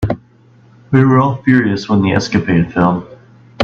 They were all furious when the escapade failed.